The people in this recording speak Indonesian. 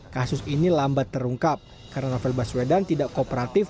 kasus ini lambat terungkap karena novel baswedan tidak kooperatif